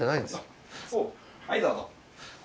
はいどうぞ。